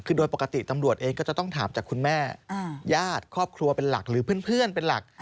คือโดยปกติตำรวจเองก็จะต้องถามจากคุณแม่ญาติครอบครัวเป็นหลักหรือเพื่อนเป็นหลัก